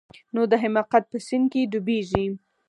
نو د حماقت په سيند کښې ډوبېږي.